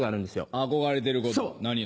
憧れてること何よ？